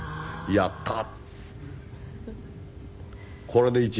やったー。